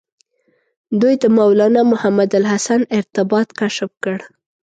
دوی د مولنا محمود الحسن ارتباط کشف کړ.